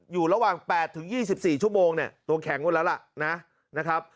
อยู่ระหว่าง๘ถึง๒๔ชั่วโมงตัวแข็งวนแล้วล่ะนะนะครับ